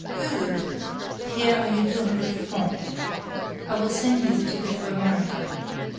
"Good! Here are your two hundred francs. I will send you the ticket for America."